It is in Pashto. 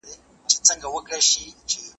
هغه استاد اوس خپل نوی کتاب خپروي.